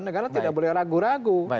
negara tidak boleh ragu ragu